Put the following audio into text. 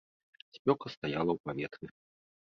Спёка стаяла ў паветры.